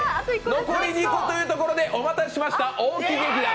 残り２個というところで、お待たせしました、大木劇団。